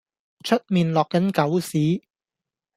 出面落緊狗屎